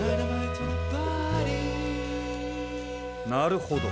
なるほど。